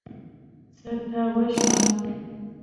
زه تا وژنم.